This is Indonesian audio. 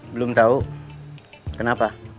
belum tahu kenapa